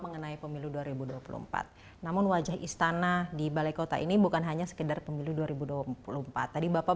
mengenai pemilu dua ribu dua puluh empat namun wajah istana di balai kota ini bukan hanya sekedar pemilu dua ribu dua puluh empat tadi bapak